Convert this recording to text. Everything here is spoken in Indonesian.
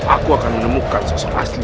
aku akan menemukan sosok asli